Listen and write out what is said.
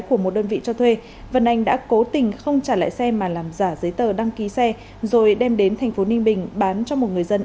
của một đơn vị cho thuê vân anh đã cố tình không trả lại xe mà làm giả giấy tờ đăng ký xe rồi đem đến thành phố ninh bình bán cho một người dân